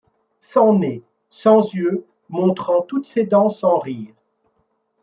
Sans nez, sans yeux, montrant toutes ses dents sans rire